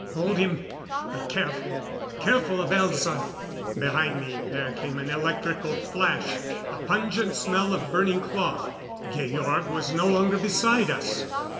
Hold him! But careful careful of Elza!" Behind me there came an electrical flash; the pungent smell of burning cloth. Georg was no longer beside us!